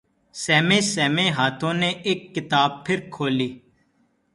سہمے سہمے ہاتھوں نے اک کتاب پھر کھولی